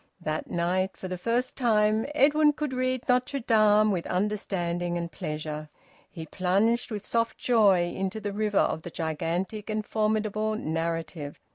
That night, for the first time, Edwin could read "Notre Dame" with understanding and pleasure. He plunged with soft joy into the river of the gigantic and formidable narrative.